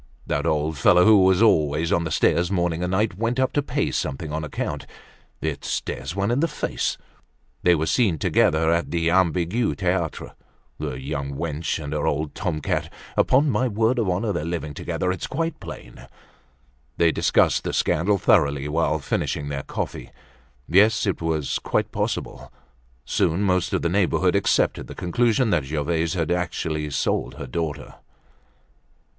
That old fellow, who was always on the stairs morning and night, went up to pay something on account. It stares one in the face. They were seen together at the Ambigu Theatre—the young wench and her old tom cat. Upon my word of honor, they're living together, it's quite plain." They discussed the scandal thoroughly while finishing their coffee. Yes, it was quite possible. Soon most of the neighborhood accepted the conclusion that Gervaise had actually sold her daughter.